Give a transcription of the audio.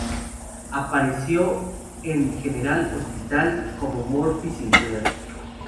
Apareció en "General Hospital" como Murphy Sinclair.